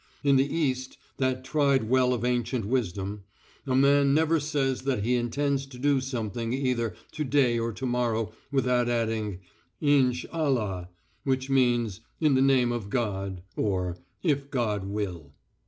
In the East, that tried well of ancient wisdom, a man never says that he intends to do something either to day or to morrow without adding "Insh Allah," which means, "In the name of God," or "If God will."